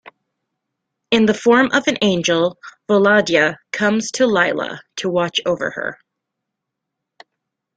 In the form of an angel, Volodya comes to Lilya to watch over her.